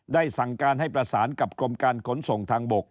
สั่งการให้ประสานกับกรมการขนส่งทางบก